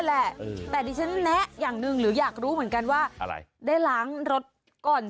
แลและแต่ยังนึงหรืออยากรู้เหมือนกันว่าอะไรได้ล้างรถก่อน